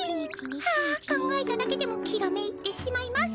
は考えただけでも気がめいってしまいます。